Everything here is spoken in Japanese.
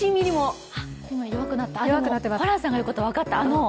ホランさんの言うこと分かった。